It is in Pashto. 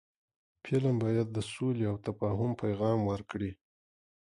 فلم باید د سولې او تفاهم پیغام ورکړي